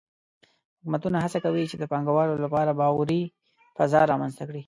حکومتونه هڅه کوي چې د پانګهوالو لپاره باوري فضا رامنځته کړي.